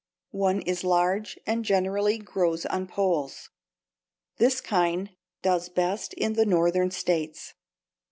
One is large and generally grows on poles. This kind does best in the Northern states.